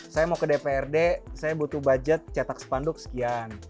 saya mau ke dprd saya butuh budget cetak sepanduk sekian